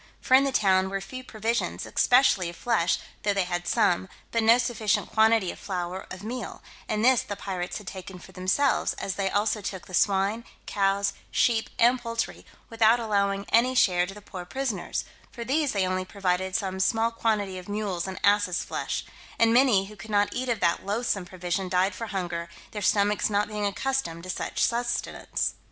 For in the town were few provisions, especially of flesh, though they had some, but no sufficient quantity of flour of meal, and this the pirates had taken for themselves, as they also took the swine, cows, sheep, and poultry, without allowing any share to the poor prisoners; for these they only provided some small quantity of mules' and asses' flesh; and many who could not eat of that loathsome provision died for hunger, their stomachs not being accustomed to such sustenance.